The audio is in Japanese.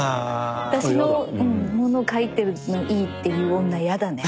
私のもの書いてるのいいっていう女やだね。